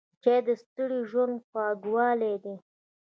چای د ستړي ژوند خوږوالی دی.